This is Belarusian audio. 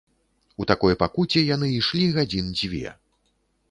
У такой пакуце яны ішлі гадзін дзве.